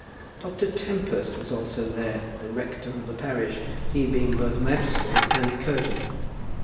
Dr. Tempest was also there, the rector of the parish, he being both magistrate and clergyman.